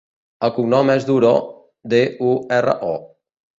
El cognom és Duro: de, u, erra, o.